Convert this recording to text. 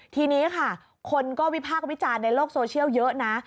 ทีนี้ค่ะคนก็วิพากษ์วิจารณ์ในโลกโซเชียลเยอะนะ